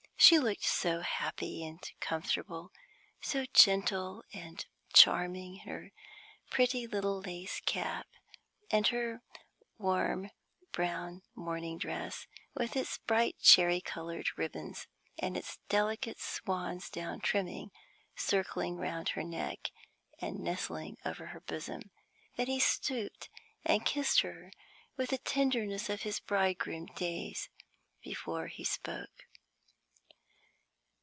She looked so happy and comfortable so gentle and charming in her pretty little lace cap, and her warm brown morning dress, with its bright cherry colored ribbons, and its delicate swan's down trimming circling round her neck and nestling over her bosom, that he stooped and kissed her with the tenderness of his bridegroom days before he spoke.